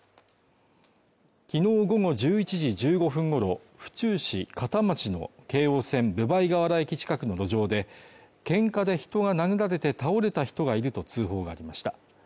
きのう午後１１時１５分ごろ、府中市片町の京王線分倍河原駅近くの路上で、けんかで人が殴られて倒れた人がいると通報がありました。